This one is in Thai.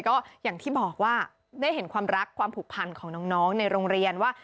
ก็อย่างที่บอกว่าได้เห็นความรักความผูกพันของน้องในโรงเรียนว่า